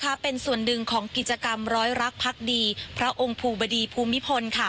เป็นส่วนหนึ่งของกิจกรรมร้อยรักพักดีพระองค์ภูบดีภูมิพลค่ะ